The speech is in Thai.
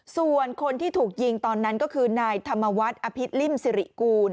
ส่วนคนที่ถูกยิงตอนนั้นก็คือนายธรรมวัฒน์อภิษริมสิริกูล